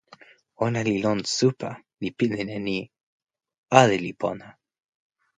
ona li lon supa li pilin e ni: ale li pona.